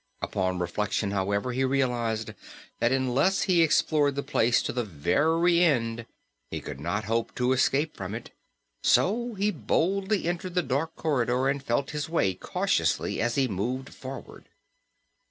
Upon reflection, however, he realized that unless he explored the place to the very end he could not hope to escape from it, so he boldly entered the dark corridor and felt his way cautiously as he moved forward.